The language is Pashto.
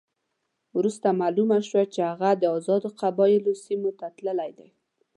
وروسته معلومه شوه چې هغه د آزادو قبایلو سیمې ته تللی دی.